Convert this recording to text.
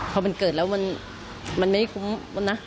พอมันเกิดแล้วมันไม่คุ้มนะ